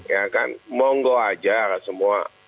ya kan monggo aja lah semua